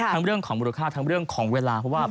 ทั้งเรื่องของมูลค่าทั้งเรื่องของเวลา